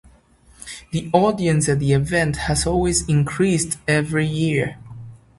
The audience at the event has always increased every year.